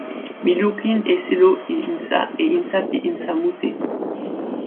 mi lukin e selo e insa, e insa pi insa mute.